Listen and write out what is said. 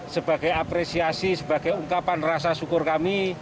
sebagai apresiasi sebagai ungkapan rasa syukur kami